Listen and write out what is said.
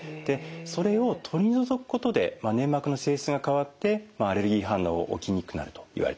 それを取り除くことで粘膜の性質が変わってアレルギー反応起きにくくなるといわれてます。